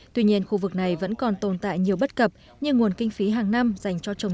tuy nhiên khu vực này vẫn còn tồn tại nhiều bất cập như nguồn kinh phí hàng năm dành cho trồng rừng